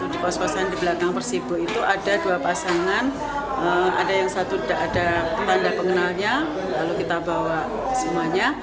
di kos kosan di belakang persibo itu ada dua pasangan ada yang satu ada tanda pengenalnya lalu kita bawa semuanya